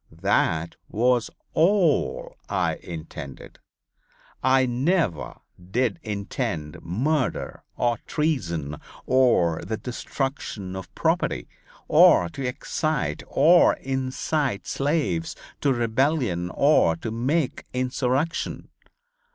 That was all I intended. I never did intend murder or treason, or the destruction of property, or to excite or incite slaves to rebellion or to make insurrection.